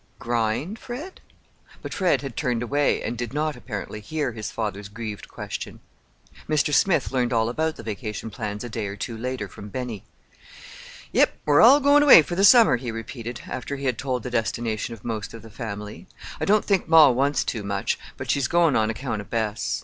"Grind, Fred?" But Fred had turned away, and did not, apparently, hear his father's grieved question. Mr. Smith learned all about the vacation plans a day or two later from Benny. "Yep, we're all goin' away for all summer," he repeated, after he had told the destination of most of the family. "I don't think ma wants to, much, but she's goin' on account of Bess.